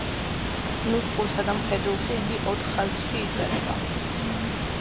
ნუსხურსა და მხედრულში იგი ოთხ ხაზში იწერება.